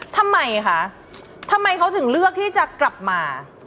ทำไมคะทำไมเขาถึงเลือกที่จะกลับมา